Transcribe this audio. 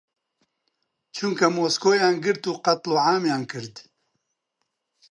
چونکە مۆسکۆیان گرت و قەتڵ و عامیان کرد.